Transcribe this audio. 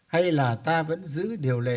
hay là ta vẫn giữ điều lệ